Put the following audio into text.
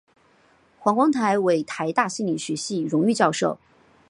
黄光国为台大心理学系荣誉教授。